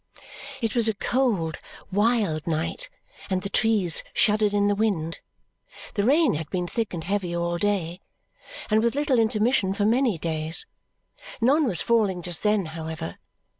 It was a cold, wild night, and the trees shuddered in the wind. The rain had been thick and heavy all day, and with little intermission for many days. None was falling just then, however.